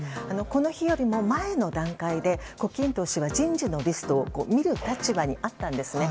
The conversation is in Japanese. この日よりも前の段階で胡錦涛氏は人事のリストを見る立場にあったんですね。